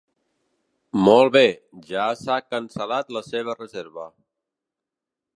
Molt bé, ja s'ha cancel·lat la seva reserva.